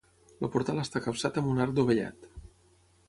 El portal està capçat amb un arc dovellat.